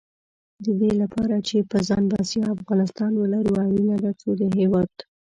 د دې لپاره چې په ځان بسیا افغانستان ولرو، اړینه ده څو د هېواد